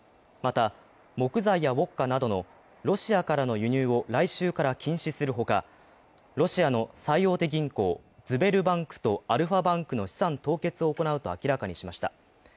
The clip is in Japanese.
また、木材やウオッカなどのロシアからの輸入を来週から禁止するほかロシアの最大手銀行、ズベルバンクとアルファバンクの資産凍結を行うと明らかにしました。